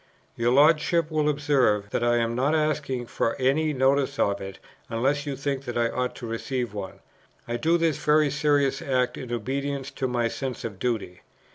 "Your Lordship will observe that I am not asking for any notice of it, unless you think that I ought to receive one. I do this very serious act in obedience to my sense of duty.